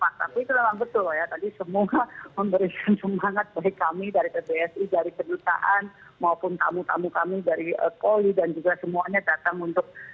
tapi itu memang betul ya tadi semua memberikan semangat baik kami dari pbsi dari kedutaan maupun tamu tamu kami dari koli dan juga semuanya datang untuk